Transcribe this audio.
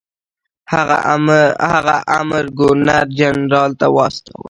هغه امر ګورنر جنرال ته واستاوه.